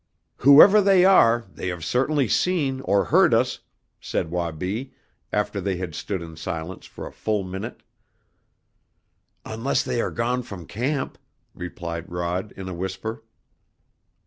"Whoever they are, they have certainly seen or heard us!" said Wabi, after they had stood in silence for a full minute. "Unless they are gone from camp," replied Rod in a whisper.